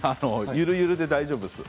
ゆるゆるで大丈夫です。